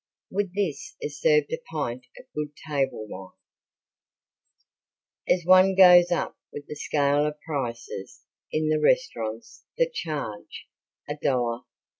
With this is served a pint of good table wine. As one goes up with the scale of prices in the restaurants that charge $1, $1.